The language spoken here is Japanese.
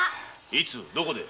いつどこで？